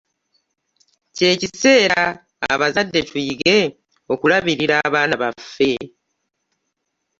Kye kiseera abazadde tuyige okulabirira abaana baffe.